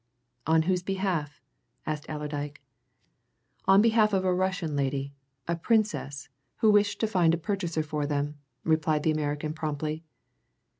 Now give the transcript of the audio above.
"On whose behalf?" asked Allerdyke. "On behalf of a Russian lady, a Princess, who wished to find a purchaser for them," replied the American promptly.